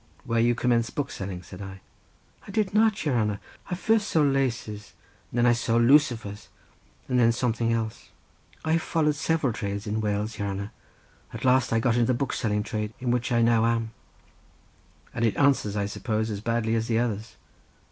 "Where you commenced bookselling?" said I. "I did nat; your hanner. I first sold laces, and then I sold loocifers, and then something else; I have followed several trades in Wales, your hanner; at last I got into the bookselling trade, in which I now am." "And it answers, I suppose, as badly as the others?"